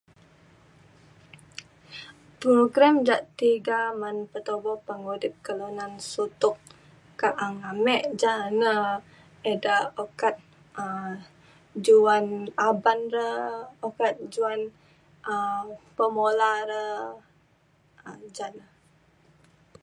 program ja tiga men petubo pengudip kelunan sutok ka’ang ame ja na ida ukat um juan aban re ukat juan um pemula re um ja na